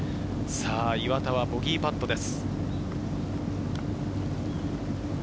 岩田はボギーパットです。